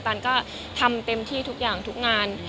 ตันก็ทำเต็มที่ทุกอย่างทุกงาน